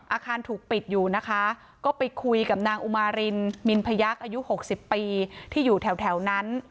อาคารถูกปิดอยู่นะคะก็ไปคุยกับนางอุมารินมินพยักษ์อายุ๖๐ปีที่อยู่แถวนั้น